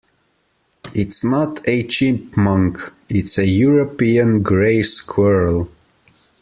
It's not a chipmunk: it's a European grey squirrel.